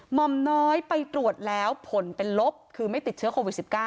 หมอมน้อยไปตรวจแล้วผลเป็นลบคือไม่ติดเชื้อโควิด๑๙